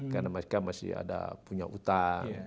karena mereka masih ada punya utang